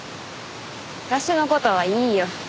私の事はいいよ。